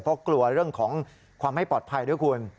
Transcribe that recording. เพราะกลัวเรื่องของความไม่ปลอดภัยด้วยคุณ